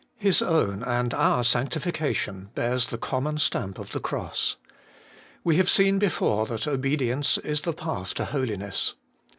His own and our sanctification bears the common stamp of the cross. We have seen before that obedience is the path to holiness.